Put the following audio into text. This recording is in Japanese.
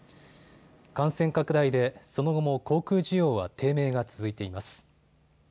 感染拡大でその後も航空需要は低迷が続いています。